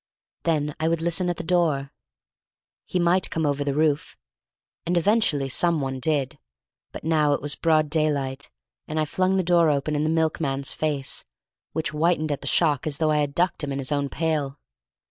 Then I would listen at the door. He might come over the roof; and eventually some one did; but now it was broad daylight, and I flung the door open in the milkman's face, which whitened at the shock as though I had ducked him in his own pail.